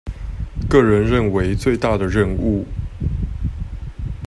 個人認為最大的任務